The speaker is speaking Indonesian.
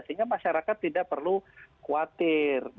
sehingga masyarakat tidak perlu khawatir